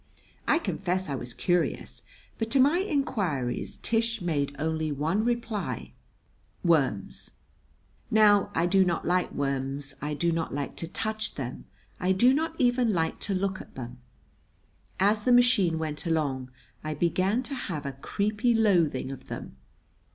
I confess I was curious, but to my inquiries Tish made only one reply: "Worms!" Now I do not like worms. I do not like to touch them. I do not even like to look at them. As the machine went along I began to have a creepy loathing of them.